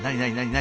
何？